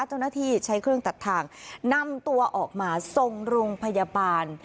เจ้าหน้าที่ใช้เครื่องตัดทางนำตัวออกมา